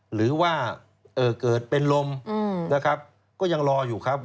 หรือว่าเกิดเป็นลมนะครับก็ยังรออยู่ครับ